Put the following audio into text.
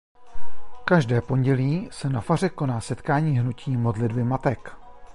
Každé pondělí se na faře koná setkání hnutí Modlitby matek.